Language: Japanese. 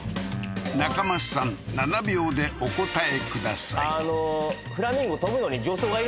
中間さん７秒でお答えください